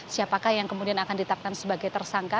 siapakah yang kemudian akan ditapkan sebagai tersangka